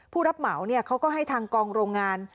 ผู้รับเหมาเขาก็ให้ทางกองโรงงาน